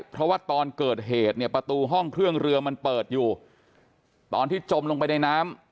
เพราะว่าตอนเกิดเหตุเนี่ยประตูห้องเครื่องเรือมันเปิดอยู่ตอนที่จมลงไปในน้ำ